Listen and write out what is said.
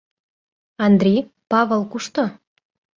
Андри, Павыл кушто?